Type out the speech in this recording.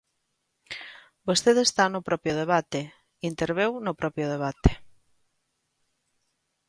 Vostede está no propio debate, interveu no propio debate.